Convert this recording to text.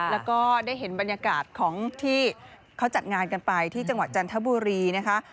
แล้วก็ได้เห็นบรรยากาศของที่เขาจัดงานกันไปที่จังหวัดจันทบุรีนะคะ